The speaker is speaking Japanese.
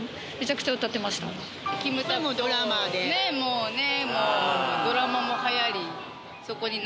もうね？